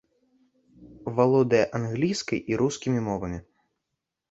Валодае англійскай і рускімі мовамі.